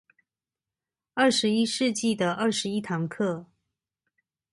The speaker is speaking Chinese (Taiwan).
二十一世紀的二十一堂課